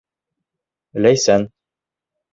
Ләйсән